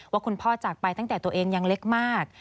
ว่าคุณพ่อจากไปตั้งแต่ตัวเองยังเล็กมาก